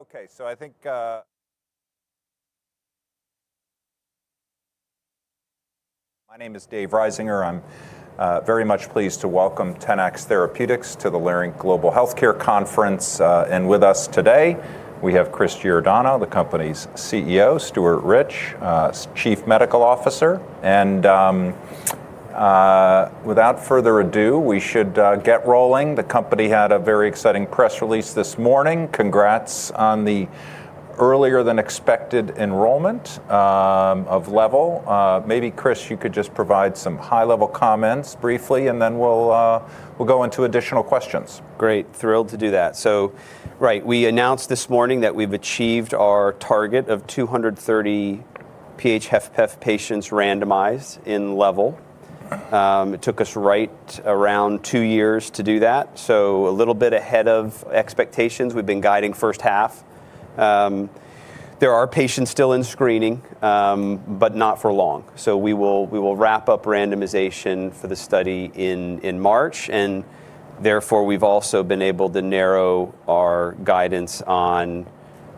Okay, I think my name is David Risinger. I'm very much pleased to welcome Tenax Therapeutics to the Leerink Global Healthcare Conference. With us today, we have Christopher Giordano, the company's CEO, Stuart Rich, Chief Medical Officer. Without further ado, we should get rolling. The company had a very exciting press release this morning. Congrats on the earlier-than-expected enrollment of LEVEL. Maybe Chris, you could just provide some high-level comments briefly, and then we'll go into additional questions. Great. Thrilled to do that. Right, we announced this morning that we've achieved our target of 230 PH-HFpEF patients randomized in LEVEL. It took us right around two years to do that, a little bit ahead of expectations. We've been guiding first half. There are patients still in screening, but not for long. We will wrap up randomization for the study in March, and therefore, we've also been able to narrow our guidance on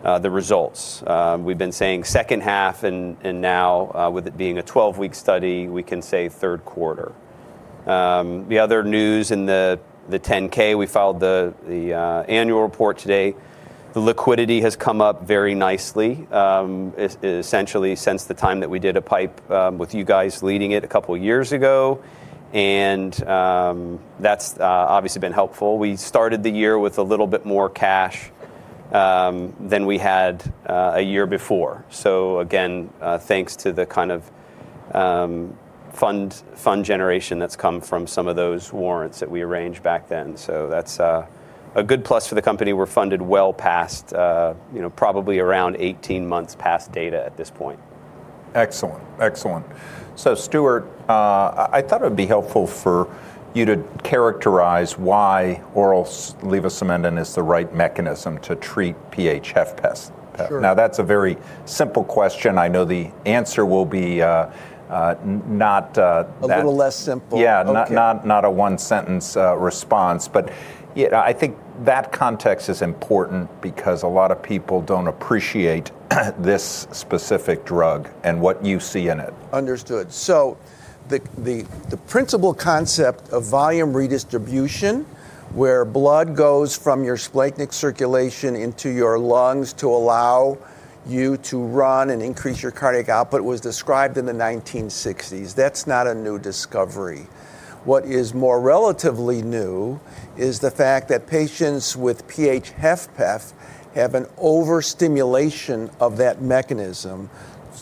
the results. We've been saying second half, and now, with it being a 12-week study, we can say third quarter. The other news in the 10-K, we filed the annual report today. The liquidity has come up very nicely, essentially since the time that we did a PIPE, with you guys leading it a couple years ago, and that's obviously been helpful. We started the year with a little bit more cash, than we had a year before. Again, thanks to the kind of fund generation that's come from some of those warrants that we arranged back then. That's a good plus for the company. We're funded well past, you know, probably around 18 months past data at this point. Excellent. Stuart, I thought it would be helpful for you to characterize why oral levosimendan is the right mechanism to treat PH-HFpEF. Sure. Now, that's a very simple question. I know the answer will be not that. A little less simple. Yeah. Okay. Not a one-sentence response. Yeah, I think that context is important because a lot of people don't appreciate this specific drug and what you see in it. Understood. The principal concept of volume redistribution, where blood goes from your splanchnic circulation into your lungs to allow you to run and increase your cardiac output, was described in the 1960s. That's not a new discovery. What is more relatively new is the fact that patients with PH-HFpEF have an overstimulation of that mechanism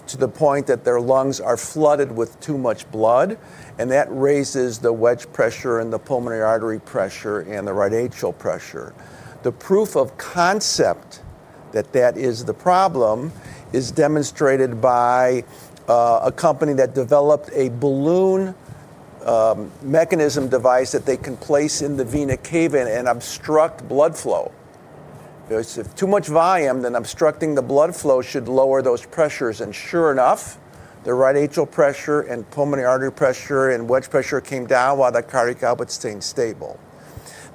to the point that their lungs are flooded with too much blood, and that raises the wedge pressure and the pulmonary artery pressure and the right atrial pressure. The proof of concept that that is the problem is demonstrated by a company that developed a balloon mechanism device that they can place in the vena cava and obstruct blood flow. If there's too much volume, then obstructing the blood flow should lower those pressures. Sure enough, the right atrial pressure and pulmonary artery pressure and wedge pressure came down while the cardiac output stayed stable.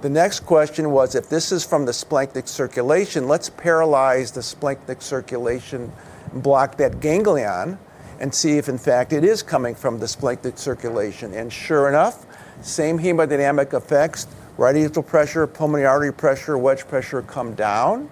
The next question was, if this is from the splanchnic circulation, let's paralyze the splanchnic circulation and block that ganglion and see if, in fact, it is coming from the splanchnic circulation. Sure enough, same hemodynamic effects, right atrial pressure, pulmonary artery pressure, wedge pressure come down.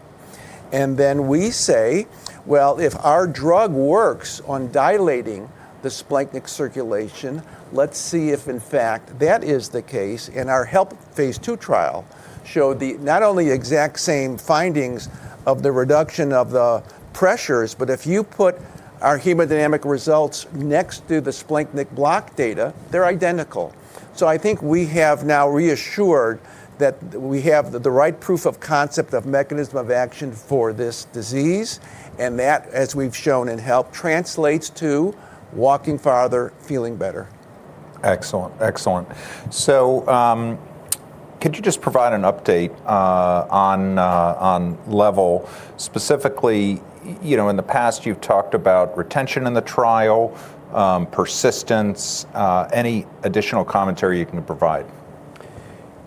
Then we say, well, if our drug works on dilating the splanchnic circulation, let's see if, in fact, that is the case. Our HELP phase II trial showed not only the exact same findings of the reduction of the pressures, but if you put our hemodynamic results next to the splanchnic block data, they're identical. I think we have now reassured that we have the right proof of concept of mechanism of action for this disease, and that, as we've shown in HELP, translates to walking farther, feeling better. Excellent. Could you just provide an update on LEVEL? Specifically, you know, in the past, you've talked about retention in the trial, persistence, any additional commentary you can provide.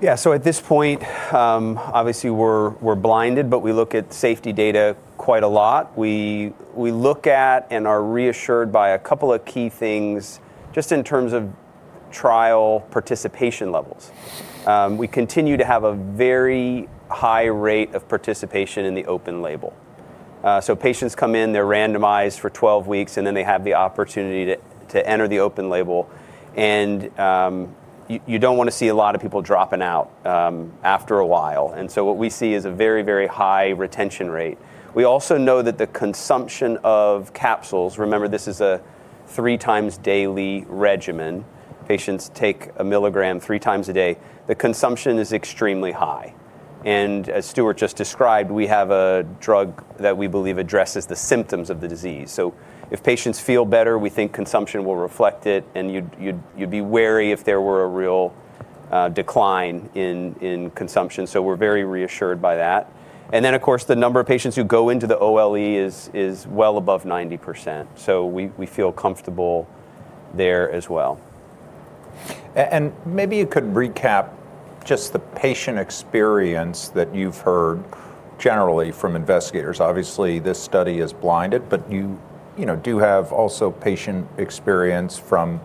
Yeah. At this point, obviously, we're blinded, but we look at safety data quite a lot. We look at and are reassured by a couple of key things just in terms of trial participation levels. We continue to have a very high rate of participation in the open-label. Patients come in, they're randomized for 12 weeks, and then they have the opportunity to enter the open-label. You don't wanna see a lot of people dropping out after a while. What we see is a very high retention rate. We also know that the consumption of capsules, remember, this is a three times daily regimen. Patients take 1 mg three times a day. The consumption is extremely high. As Stuart just described, we have a drug that we believe addresses the symptoms of the disease. If patients feel better, we think consumption will reflect it, and you'd be wary if there were a real decline in consumption. We're very reassured by that. Then, of course, the number of patients who go into the OLE is well above 90%. We feel comfortable there as well. Maybe you could recap just the patient experience that you've heard generally from investigators. Obviously, this study is blinded, but you know do have also patient experience from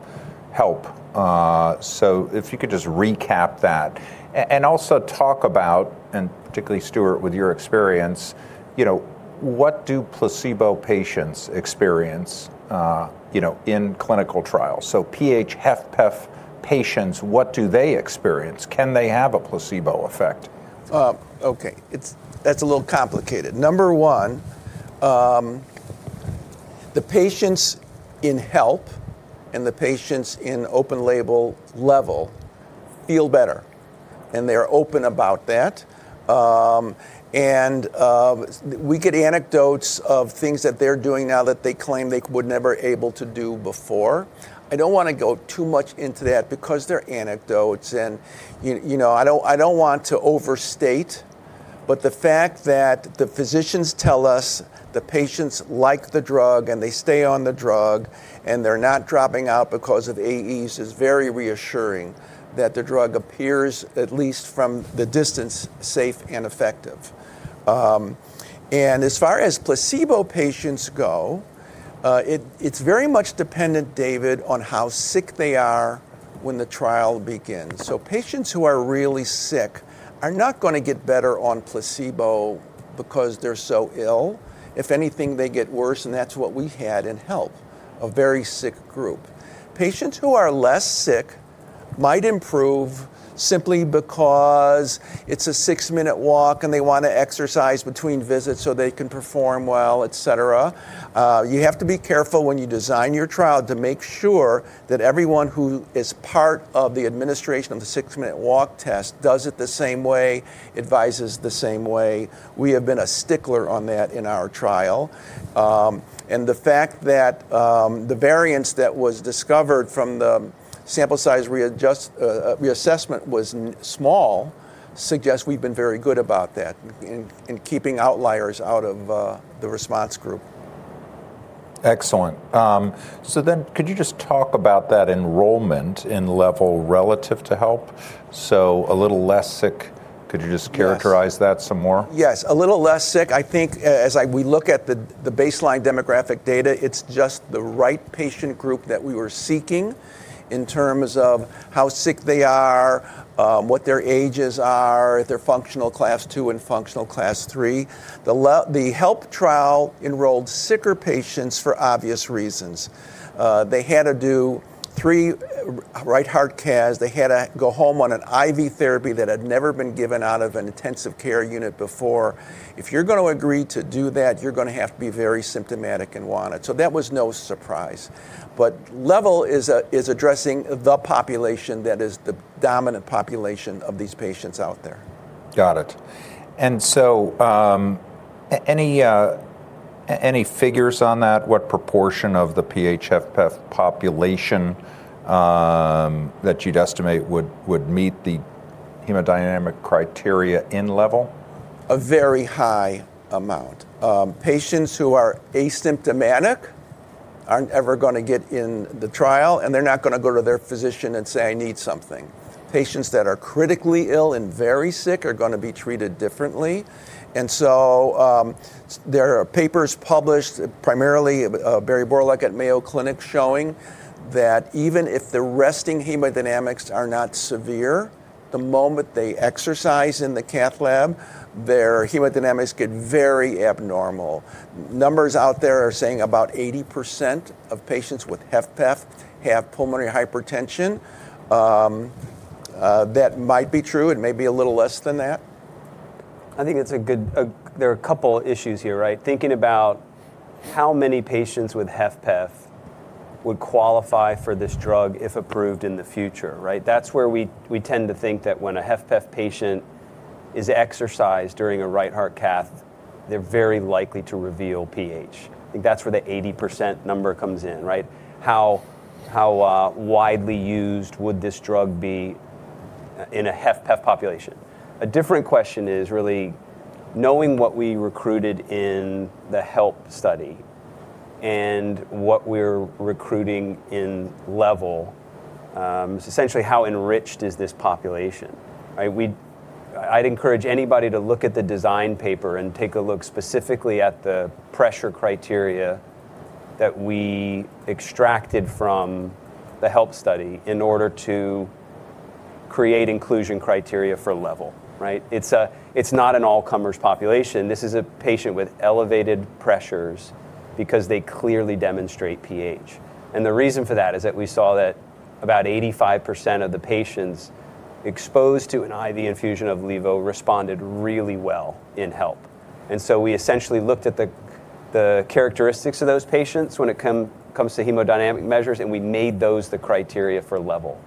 HELP. If you could just recap that and also talk about, and particularly Stuart, with your experience, you know, what do placebo patients experience, you know, in clinical trials? PH-HFpEF patients, what do they experience? Can they have a placebo effect? Okay. That's a little complicated. Number one, the patients in HELP and the patients in open-label LEVEL feel better, and they're open about that. And, we get anecdotes of things that they're doing now that they claim they were never able to do before. I don't want to go too much into that because they're anecdotes, and you know, I don't want to overstate. The fact that the physicians tell us the patients like the drug, and they stay on the drug, and they're not dropping out because of AEs is very reassuring that the drug appears, at least from the distance, safe and effective. And as far as placebo patients go, it's very much dependent, David, on how sick they are when the trial begins. Patients who are really sick are not gonna get better on placebo because they're so ill. If anything, they get worse, and that's what we had in HELP, a very sick group. Patients who are less sick might improve simply because it's a six-minute walk, and they want to exercise between visits, so they can perform well, et cetera. You have to be careful when you design your trial to make sure that everyone who is part of the administration of the six-minute walk test does it the same way, advises the same way. We have been a stickler on that in our trial. The fact that the variance that was discovered from the sample size reassessment was small n suggests we've been very good about that in keeping outliers out of the response group. Excellent. Could you just talk about that enrollment in LEVEL relative to HELP? A little less sick. Yes. Characterize that some more? Yes. A little less sick. I think, as we look at the baseline demographic data, it's just the right patient group that we were seeking in terms of how sick they are, what their ages are, if they're functional Class II and functional Class III. The HELP trial enrolled sicker patients for obvious reasons. They had to do three right heart caths. They had to go home on an IV therapy that had never been given out of an intensive care unit before. If you're gonna agree to do that, you're gonna have to be very symptomatic and want it. That was no surprise. LEVEL is addressing the population that is the dominant population of these patients out there. Got it. Any figures on that? What proportion of the PH-HFpEF population that you'd estimate would meet the hemodynamic criteria in LEVEL? A very high amount. Patients who are asymptomatic aren't ever gonna get in the trial, and they're not gonna go to their physician and say, "I need something." Patients that are critically ill and very sick are gonna be treated differently. There are papers published, primarily Barry A. Borlaug at Mayo Clinic, showing that even if the resting hemodynamics are not severe, the moment they exercise in the cath lab, their hemodynamics get very abnormal. Numbers out there are saying about 80% of patients with HFpEF have pulmonary hypertension. That might be true. It may be a little less than that. There are a couple of issues here, right? Thinking about how many patients with HFpEF would qualify for this drug if approved in the future, right? That's where we tend to think that when a HFpEF patient is exercised during a right heart cath, they're very likely to reveal PH. I think that's where the 80% number comes in, right? How widely used would this drug be in a HFpEF population? A different question is really knowing what we recruited in the HELP study and what we're recruiting in LEVEL, so essentially, how enriched is this population, right? We'd encourage anybody to look at the design paper and take a look specifically at the pressure criteria that we extracted from the HELP study in order to create inclusion criteria for LEVEL, right? It's not an all-comers population. This is a patient with elevated pressures because they clearly demonstrate PH. The reason for that is that we saw that about 85% of the patients exposed to an IV infusion of levo responded really well in HELP. We essentially looked at the characteristics of those patients when it comes to hemodynamic measures, and we made those the criteria for LEVEL.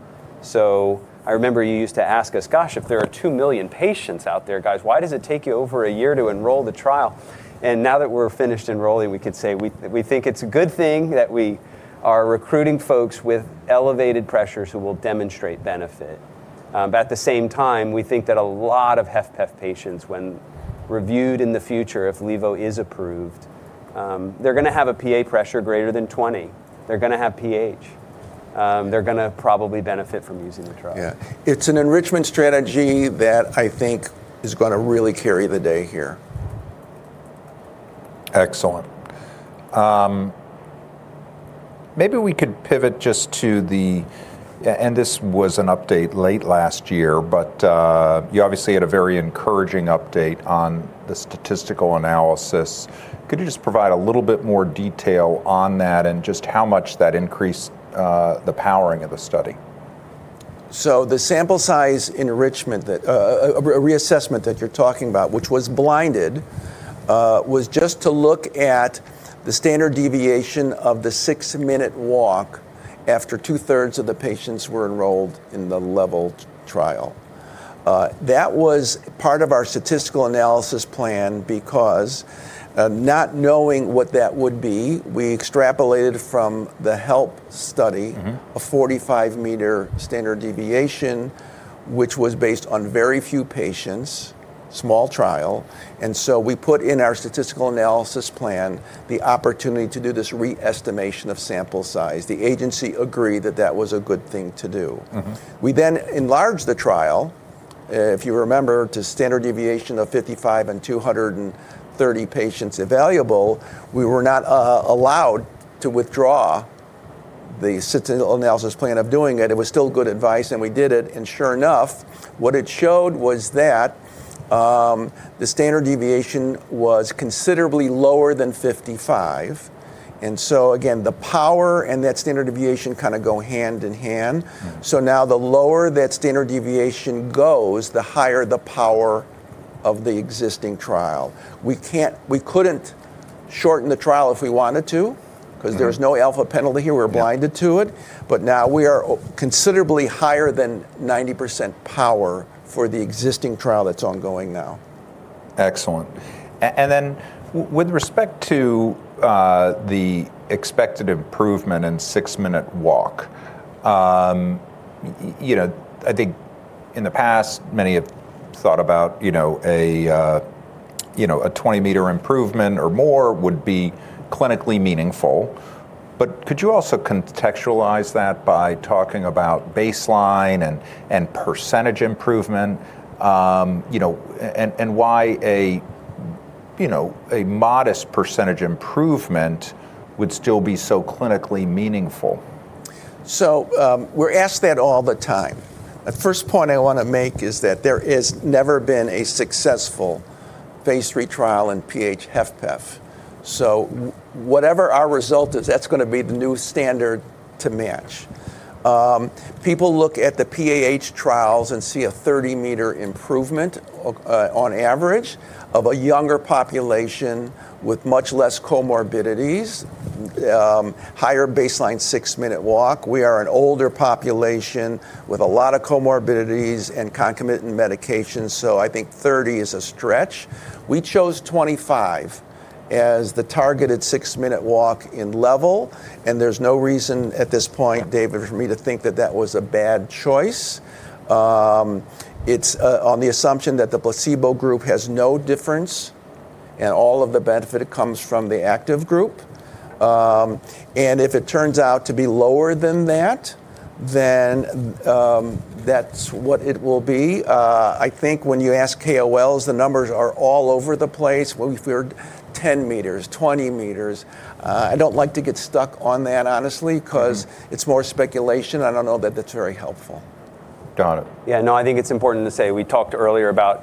I remember you used to ask us, "Gosh, if there are 2 million patients out there, guys, why does it take you over a year to enroll the trial?" Now that we're finished enrolling, we could say we think it's a good thing that we are recruiting folks with elevated pressures who will demonstrate benefit. At the same time, we think that a lot of HFpEF patients, when reviewed in the future if levo is approved, they're gonna have a PA pressure greater than 20. They're gonna have PH. They're gonna probably benefit from using the drug. Yeah. It's an enrichment strategy that I think is gonna really carry the day here. Excellent. Maybe we could pivot. Yeah, and this was an update late last year, but you obviously had a very encouraging update on the statistical analysis. Could you just provide a little bit more detail on that, and just how much that increased the powering of the study? The sample size reassessment that you're talking about, which was blinded, was just to look at the standard deviation of the six-minute walk after 2/3 of the patients were enrolled in the LEVEL trial. That was part of our statistical analysis plan because, not knowing what that would be, we extrapolated from the HELP study a 45-meter standard deviation, which was based on very few patients, small trial, and so we put in our statistical analysis plan the opportunity to do this re-estimation of sample size. The agency agreed that that was a good thing to do. We enlarged the trial, if you remember, to standard deviation of 55 and 230 patients evaluable. We were not allowed to withdraw the statistical analysis plan of doing it. It was still good advice, and we did it, and sure enough, what it showed was that, the standard deviation was considerably lower than 55, and so again, the power and that standard deviation kind of go hand-in-hand. Now the lower that standard deviation goes, the higher the power of the existing trial. We couldn't shorten the trial if we wanted to 'cause there's no alpha penalty here. Yeah. We're blinded to it, but now we are considerably higher than 90% power for the existing trial that's ongoing now. Excellent. With respect to the expected improvement in six-minute walk, you know, I think in the past many have thought about, you know, a 20-meter improvement or more would be clinically meaningful, but could you also contextualize that by talking about baseline and percentage improvement, you know, and why a modest percentage improvement would still be so clinically meaningful? We're asked that all the time. The first point I want to make is that there has never been a successful phase III trial in PH-HFpEF. Whatever our result is, that's gonna be the new standard to match. People look at the PAH trials and see a 30-meter improvement on average of a younger population with much less comorbidities, higher baseline six-minute walk. We are an older population with a lot of comorbidities and concomitant medications, so I think 30 meters is a stretch. We chose 25 meters as the targeted six-minute walk in LEVEL, and there's no reason at this point, David, for me to think that that was a bad choice. It's on the assumption that the placebo group has no difference, and all of the benefit comes from the active group. If it turns out to be lower than that, then that's what it will be. I think when you ask KOLs, the numbers are all over the place, whether we're 10 meters, 20 meters. I don't like to get stuck on that, honestly 'cause it's more speculation, and I don't know that that's very helpful. Got it. Yeah, no, I think it's important to say, we talked earlier about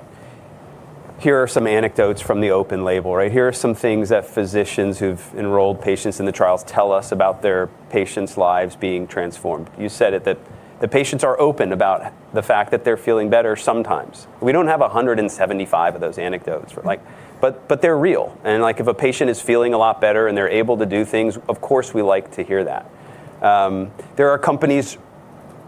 here are some anecdotes from the open-label, right? Here are some things that physicians who've enrolled patients in the trials tell us about their patients' lives being transformed. You said it, that the patients are open about the fact that they're feeling better sometimes. We don't have 175 of those anecdotes. Like, but they're real, and like if a patient is feeling a lot better and they're able to do things, of course, we like to hear that. There are companies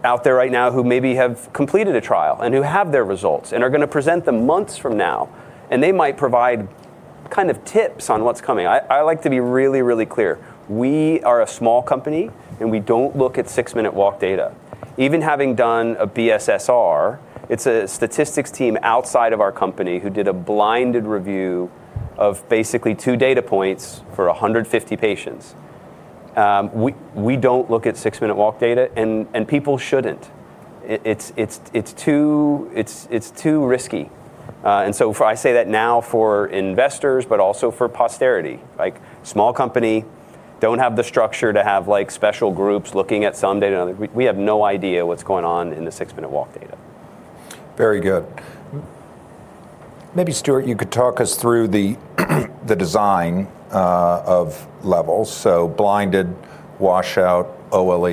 out there right now who maybe have completed a trial and who have their results and are gonna present them months from now, and they might provide kind of tips on what's coming. I like to be really, really clear. We are a small company, and we don't look at six-minute walk data. Even having done a BSSR, it's a statistics team outside of our company who did a blinded review of basically two data points for 150 patients. We don't look at six-minute walk data, and people shouldn't. It's too risky. I say that now for investors, but also for posterity. Like small company, don't have the structure to have like special groups looking at some data. We have no idea what's going on in the six-minute walk data. Very good. Maybe Stuart, you could talk us through the design of LEVEL. So blinded, washout, OLE,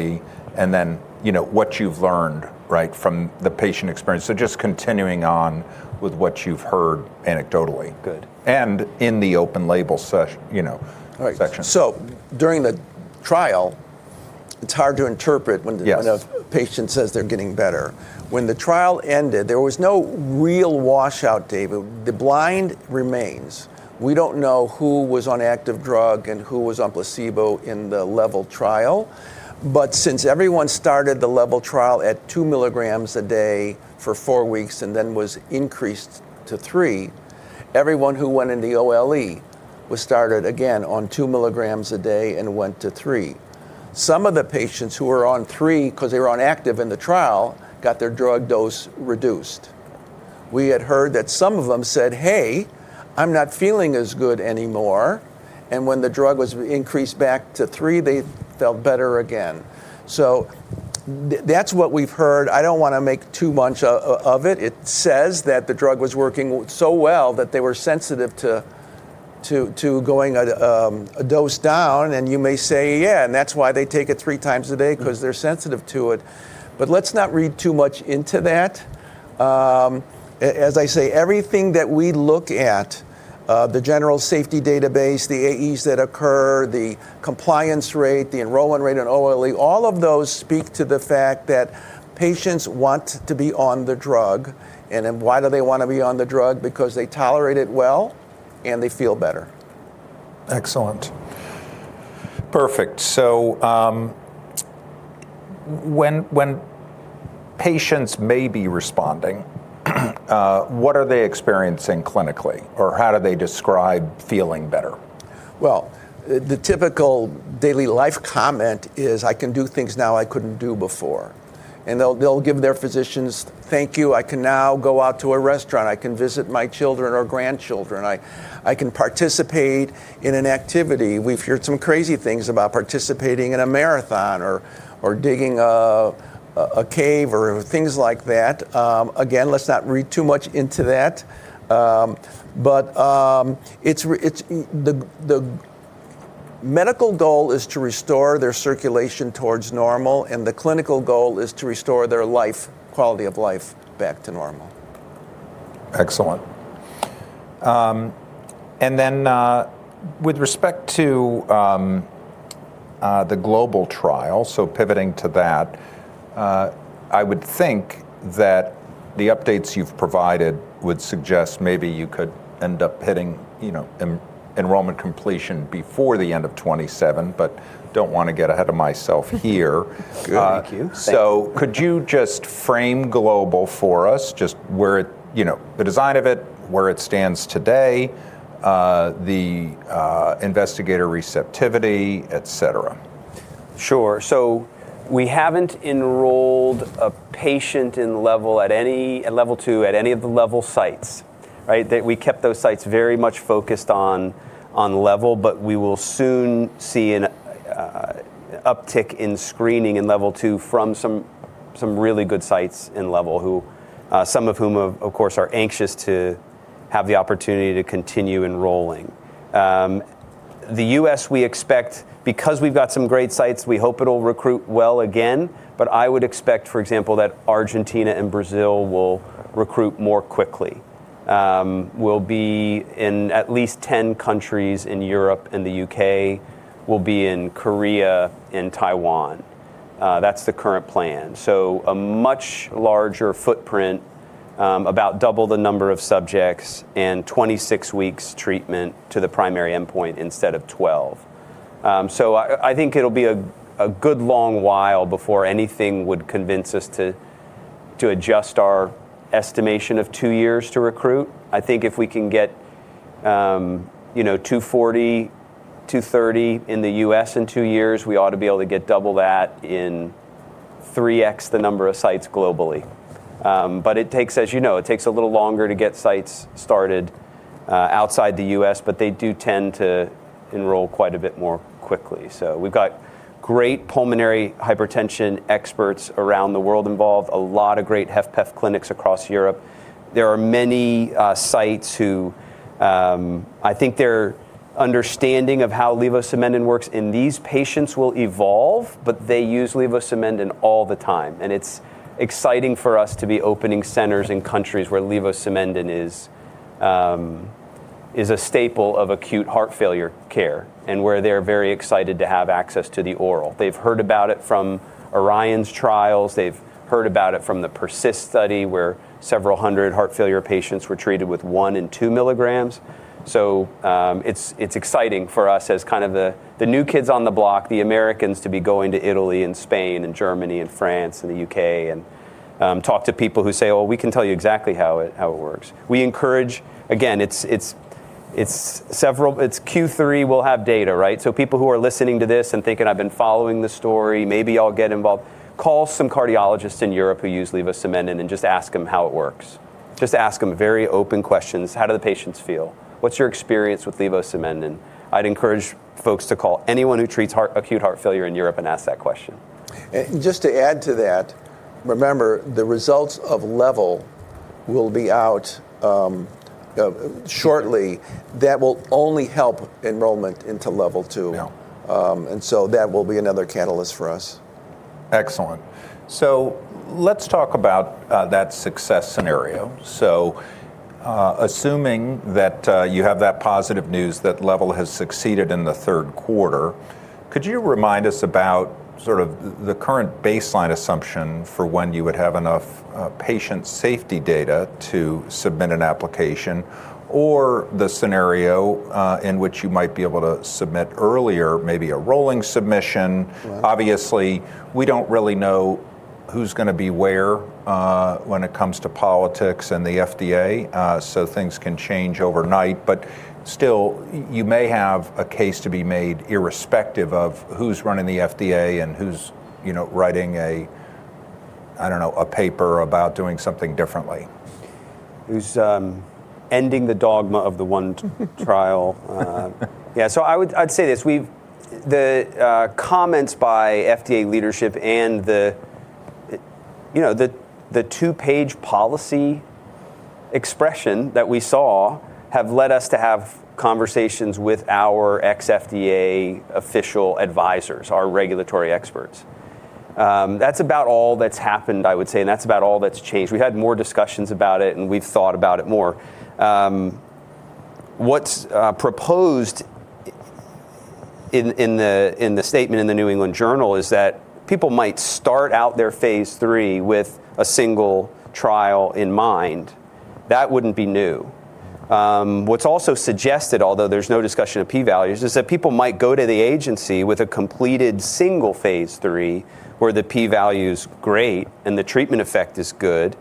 and then, you know, what you've learned, right, from the patient experience. Just continuing on with what you've heard anecdotally. Good. And in the open label, you know. All right. section. During the trial, it's hard to interpret when a patient says they're getting better. When the trial ended, there was no real wash out, David. The blind remains. We don't know who was on active drug and who was on placebo in the LEVEL trial, but since everyone started the LEVEL trial at 2 mg a day for four weeks and then was increased 3 mg. everyone who went in the OLE was started again on 2 mg a day and went 3 mg. some of the patients who were 3 mg because they were on active in the trial got their drug dose reduced. We had heard that some of them said, "Hey, I'm not feeling as good anymore." When the drug was increased back 3 mg, they felt better again. That's what we've heard. I don't want to make too much of it. It says that the drug was working so well that they were sensitive to going a dose down, and you may say, yeah, and that's why they take it three times a day. Because they're sensitive to it. Let's not read too much into that. As I say, everything that we look at, the general safety database, the AEs that occur, the compliance rate, the enrollment rate in OLE, all of those speak to the fact that patients want to be on the drug. Then why do they want to be on the drug? Because they tolerate it well, and they feel better. Excellent. Perfect. When patients may be responding, what are they experiencing clinically, or how do they describe feeling better? The typical daily life comment is, "I can do things now I couldn't do before." They'll give their physicians, "Thank you. I can now go out to a restaurant. I can visit my children or grandchildren. I can participate in an activity." We've heard some crazy things about participating in a marathon or digging a cave or things like that. Again, let's not read too much into that. It's the medical goal is to restore their circulation towards normal, and the clinical goal is to restore their quality of life back to normal. Excellent. With respect to the global trial, so pivoting to that, I would think that the updates you've provided would suggest maybe you could end up hitting, you know, enrollment completion before the end of 2027, but don't wanna get ahead of myself here. Good. Thank you. Could you just frame global for us, just where it, you know, the design of it, where it stands today, the investigator receptivity, et cetera? Sure. We haven't enrolled a patient in LEVEL-2 at any of the LEVEL sites, right? We kept those sites very much focused on LEVEL, but we will soon see an uptick in screening in LEVEL-2 from some really good sites in LEVEL who some of whom, of course, are anxious to have the opportunity to continue enrolling. In the U.S. we expect, because we've got some great sites, we hope it'll recruit well again. I would expect, for example, that Argentina and Brazil will recruit more quickly. We'll be in at least 10 countries in Europe and the U.K. We'll be in Korea and Taiwan. That's the current plan. A much larger footprint, about double the number of subjects and 26 weeks treatment to the primary endpoint instead of 12 weeks. I think it'll be a good long while before anything would convince us to adjust our estimation of two years to recruit. I think if we can get, you know, 240, 230 in the U.S. in two years, we ought to be able to get double that in 3x the number of sites globally. It takes, as you know, a little longer to get sites started outside the U.S., but they do tend to enroll quite a bit more quickly. We've got great pulmonary hypertension experts around the world involved, a lot of great HFpEF clinics across Europe. There are many sites who, I think, their understanding of how levosimendan works in these patients will evolve, but they use levosimendan all the time. It's exciting for us to be opening centers in countries where levosimendan is a staple of acute heart failure care and where they're very excited to have access to the oral. They've heard about it from Orion's trials. They've heard about it from the PERSIST study, where several hundred heart failure patients were treated with 1 mg and 2 mg. It's exciting for us as kind of the new kids on the block, the Americans, to be going to Italy and Spain and Germany and France and the U.K. and talk to people who say, "Well, we can tell you exactly how it works." It's Q3 we'll have data, right? People who are listening to this and thinking, "I've been following this story. Maybe I'll get involved, call some cardiologists in Europe who use levosimendan and just ask them how it works. Just ask them very open questions. How do the patients feel? What's your experience with levosimendan? I'd encourage folks to call anyone who treats acute heart failure in Europe and ask that question. Just to add to that, remember, the results of LEVEL will be out shortly. That will only help enrollment into LEVEL-2. Yeah. That will be another catalyst for us. Excellent. Let's talk about that success scenario. Assuming that you have that positive news that LEVEL has succeeded in the third quarter, could you remind us about sort of the current baseline assumption for when you would have enough patient safety data to submit an application or the scenario in which you might be able to submit earlier, maybe a rolling submission? Right. Obviously, we don't really know who's gonna be where, when it comes to politics and the FDA, so things can change overnight. Still you may have a case to be made irrespective of who's running the FDA and who's, you know, writing a, I don't know, a paper about doing something differently. Who's ending the dogma of the one trial? Yeah, I'd say this. The comments by FDA leadership and the two-page policy expression that we saw have led us to have conversations with our ex-FDA official advisors, our regulatory experts. That's about all that's happened, I would say, and that's about all that's changed. We've had more discussions about it, and we've thought about it more. What's proposed in the statement in The New England Journal is that people might start out their phase III with a single trial in mind. That wouldn't be new. What's also suggested, although there's no discussion of p-values, is that people might go to the agency with a completed single phase III where the p-value's great and the treatment effect is good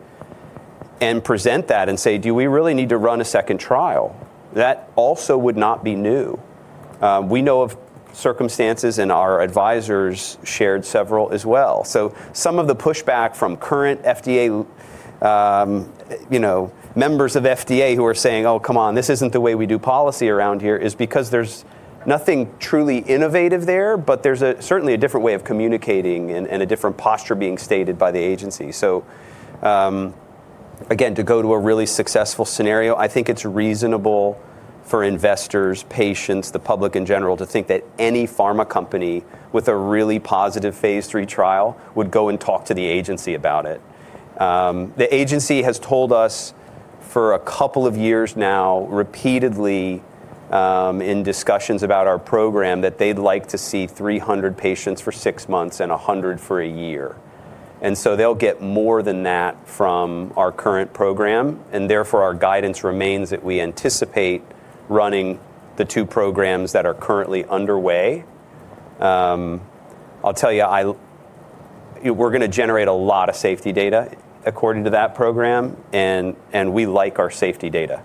and present that, and say, "Do we really need to run a second trial?" That also would not be new. We know of circumstances, and our advisors shared several as well. Some of the pushback from current FDA, you know, members of FDA who are saying, "Oh, come on, this isn't the way we do policy around here," is because there's nothing truly innovative there, but there's certainly a different way of communicating, and a different posture being stated by the agency. Again, to go to a really successful scenario, I think it's reasonable for investors, patients, the public in general to think that any pharma company with a really positive phase III trial would go and talk to the agency about it. The agency has told us for a couple of years now repeatedly, in discussions about our program, that they'd like to see 300 patients for six months and 100 for a year, and so they'll get more than that from our current program, and therefore our guidance remains that we anticipate running the two programs that are currently underway. I'll tell you, we're gonna generate a lot of safety data according to that program, and we like our safety data.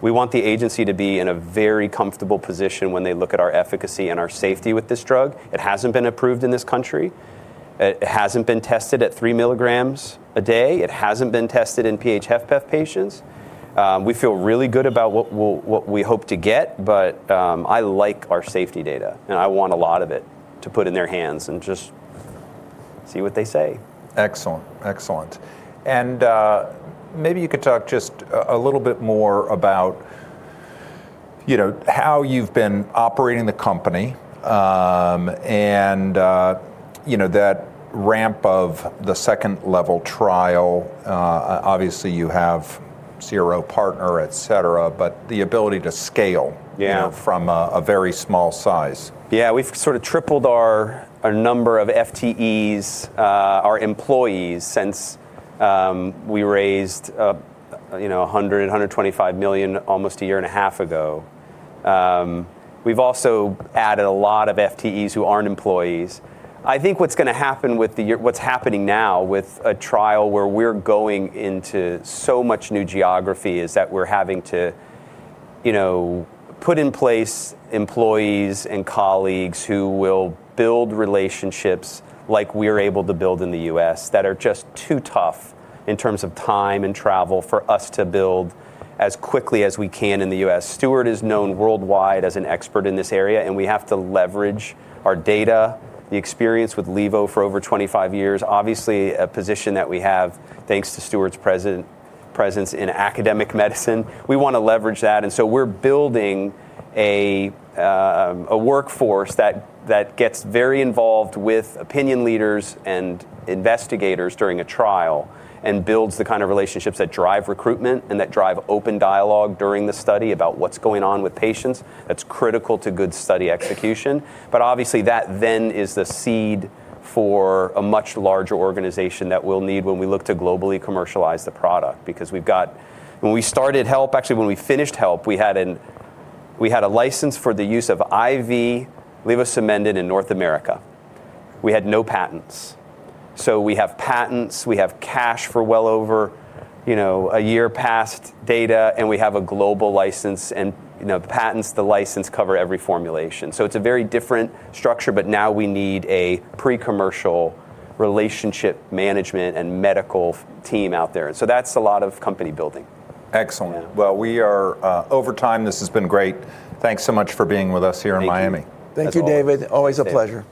We want the agency to be in a very comfortable position when they look at our efficacy and our safety with this drug. It hasn't been approved in this country. It hasn't been tested at 3 mg a day. It hasn't been tested in PH-HFpEF patients. We feel really good about what we hope to get, but I like our safety data, and I want a lot of it to put in their hands and just see what they say. Excellent. Maybe you could talk just a little bit more about, you know, how you've been operating the company, and, you know, that ramp of the second LEVEL trial. Obviously you have CRO partner, et cetera, but the ability to scale. Yeah you know, from a very small size. Yeah. We've sort of tripled our number of FTEs, our employees since we raised, you know, $100 million-$125 million almost a year and a half ago. We've also added a lot of FTEs who aren't employees. I think what's gonna happen with what's happening now with a trial where we're going into so much new geography is that we're having to, you know, put in place employees and colleagues who will build relationships like we're able to build in the U.S., that are just too tough in terms of time and travel for us to build as quickly as we can in the U.S. Stuart is known worldwide as an expert in this area, and we have to leverage our data, the experience with levosimendan for over 25 years. Obviously, a position that we have thanks to Stuart's presence in academic medicine, we wanna leverage that and so we're building a workforce that gets very involved with opinion leaders and investigators during a trial and builds the kind of relationships that drive recruitment and that drive open dialogue during the study about what's going on with patients. That's critical to good study execution. Obviously, that then is the seed for a much larger organization that we'll need when we look to globally commercialize the product because we've got. Actually, when we finished HELP, we had a license for the use of IV levosimendan in North America. We had no patents. We have patents, we have cash for well over, you know, a year past data, and we have a global license and, you know, the patents, the license cover every formulation. It's a very different structure, but now we need a pre-commercial relationship management and medical team out there, and so that's a lot of company building. Excellent. Yeah. Well, we are over time. This has been great. Thanks so much for being with us here in Miami. Thank you. Thank you, David. Always a pleasure.